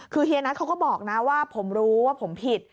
คือเฮียนัทเขาก็บอกนะว่าผมรู้ว่าผมผิด